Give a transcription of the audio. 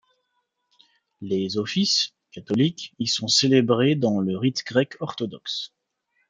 Les offices — catholiques — y sont célébrés dans le rite grec orthodoxe.